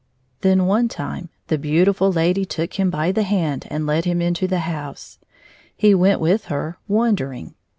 Then one time the beautifiil lady took him by the hand and led him into the house. He went with her, wondering.